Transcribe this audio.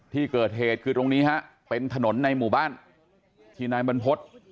ที่เกิดเหตุคือตรงนี้ฮะเป็นถนนในหมู่บ้านที่นายบรรพฤษ